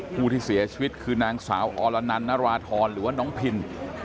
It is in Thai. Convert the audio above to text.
ผู้ที่เสียชีวิตคือนางสาวอรนันนราธรหรือว่าน้องพิน